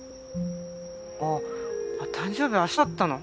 あっ誕生日明日だったの？